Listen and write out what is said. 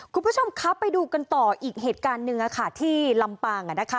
คุณผู้ชมครับไปดูกันต่ออีกเหตุการณ์หนึ่งที่ลำปาง